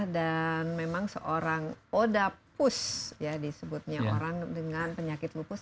dan memang seorang odapus disebutnya orang dengan penyakit lupus